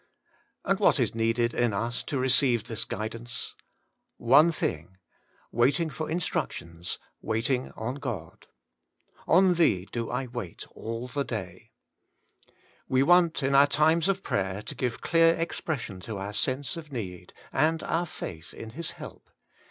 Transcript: And what is needed in us to receive this guidance? One thing: waiting for instruc tions, waiting on God. * On Thee do I wait all the day,* We want in our times of prayer to give clear expression to our sense of need, and our faith in His help.